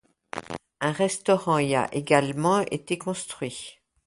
Un restaurant y a également été construit.